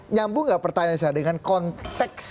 nyambung nggak pertanyaan saya dengan konteks